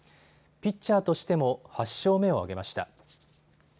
ピッチャーとしても８勝目を挙げました。